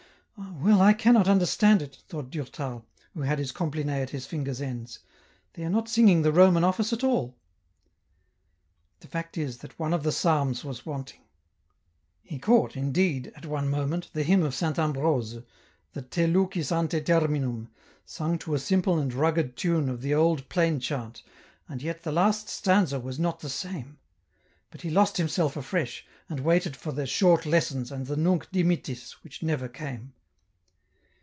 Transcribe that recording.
"Ah well, I cannot understand it," thought Durtal, EN ROUTE. 165 who had his Compline at his fingers' ends, " they are not singing the Roman office at all." The fact is that one of the psalms was wanting. He caught indeed, at one moment, the hymn of Saint Ambrose, the " Te lucis ante terminum," sung to a simple and rugged tune of the old plain chant, and yet the last stanza was not the same ; but he lost himself afresh, and waited for the " Short Lessons " and the " Nunc Dimittis " which never came.